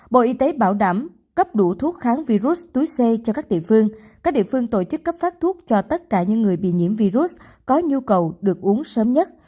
bộ y tế bảo đảm cấp đủ thuốc kháng virus túi c cho các địa phương các địa phương tổ chức cấp phát thuốc cho tất cả những người bị nhiễm virus có nhu cầu được uống sớm nhất